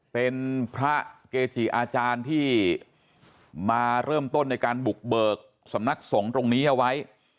เป็นพระเกจิอาจารย์ที่มาเริ่มต้นในการบุกเบิกสำนักสงฆ์ตรงนี้เอาไว้